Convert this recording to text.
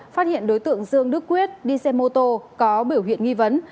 phát hiện đối tượng dương đức quyết đi xe mô tô có biểu hiện nghi vấn